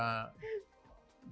oh iya sering itu